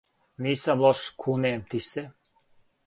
Нисам лош, кунем ти се!